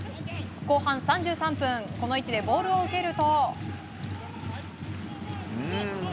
後半３３分この位置でボールを受けると。